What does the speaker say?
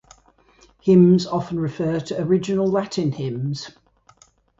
Hymns often refer to original Latin hymns.